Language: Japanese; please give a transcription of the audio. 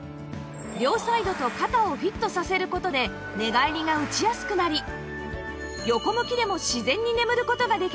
両サイドと肩をフィットさせる事で寝返りが打ちやすくなり横向きでも自然に眠る事ができるんです